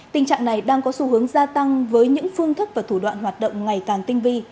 tình trạng này đang có xu hướng gia tăng với những phương thức và thủ đoạn hoạt động ngày càng tinh vi